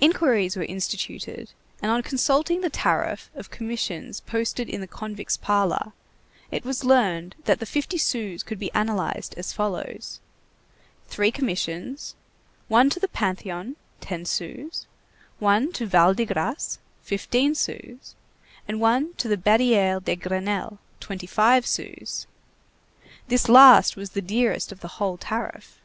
Inquiries were instituted, and on consulting the tariff of commissions posted in the convict's parlor, it was learned that the fifty sous could be analyzed as follows: three commissions; one to the Panthéon, ten sous; one to Val de Grâce, fifteen sous; and one to the Barrière de Grenelle, twenty five sous. This last was the dearest of the whole tariff.